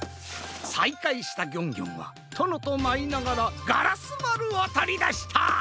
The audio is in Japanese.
さいかいしたギョンギョンはとのとまいながらガラスまるをとりだした！